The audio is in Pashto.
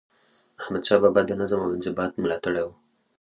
احمدشاه بابا د نظم او انضباط ملاتړی و.